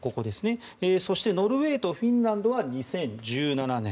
そしてノルウェーとフィンランドは２０１７年